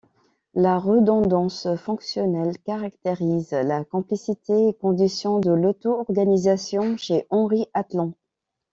La redondance fonctionnelle caractérise la complexité et condition de l'auto-organisation chez Henri Atlan.